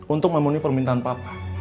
untuk memenuhi permintaan papa